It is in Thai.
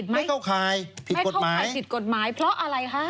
ไม่เข้าขายผิดกฎหมายเพราะอะไรฮะ